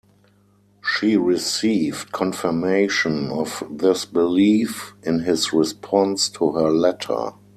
She received confirmation of this belief in his response to her letter.